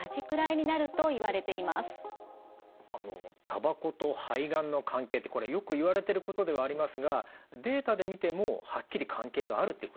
たばこと肺がんの関係ってこれよくいわれてることではありますがデータで見てもはっきり関係があるっていうことなんですね。